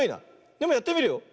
でもやってみるよ。